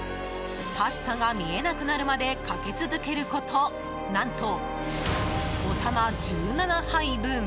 パスタが見えなくなるまでかけ続けること何と、おたま１７杯分。